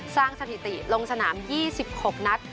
สร้างสถิติลงสนาม๒๖นัก